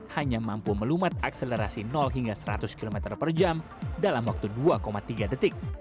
hanya mampu melumat akselerasi hingga seratus kmh dalam waktu dua tiga detik